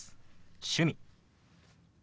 「趣味」。